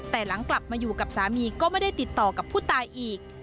แต่หลังกลับมาอยู่กับสามีก็ไม่ได้ติดต่อกับผู้ตายอีก